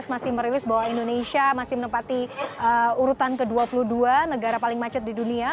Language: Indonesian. pada dua ribu tujuh belas masih merilis bahwa indonesia masih menempati urutan ke dua puluh dua negara paling macet di dunia